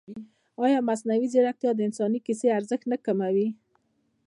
ایا مصنوعي ځیرکتیا د انساني کیسې ارزښت نه کموي؟